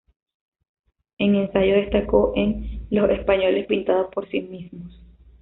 En ensayo destacó en "Los españoles pintados por sí mismos".